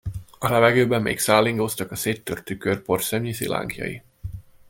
A levegőben még szállingóztak a széttört tükör porszemnyi szilánkjai.